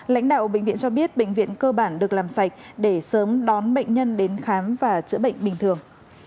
lãnh đạo bệnh viện cho biết bệnh viện cơ bản được làm sạch để sớm đón bệnh nhân đến khám và chữa bệnh bình thường